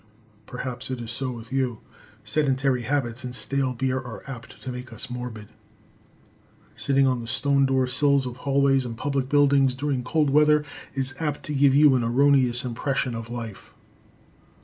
Perhaps it is so with you. Sedentary habits and stale beer are apt to make us morbid. Sitting on the stone door sills of hallways and public buildings during cold weather is apt to give you an erroneous impression of life.